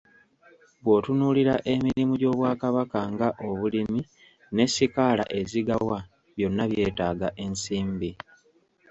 Bw'otunuulira emirimu gy'Obwakabaka nga obulimi ne ssikaala ezigabwa, byonna byetaaga ensimbi.